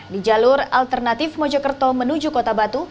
di jalur alternatif mojokerto menuju kota batu